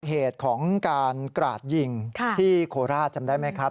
เหตุของการกราดยิงที่โคราชจำได้ไหมครับ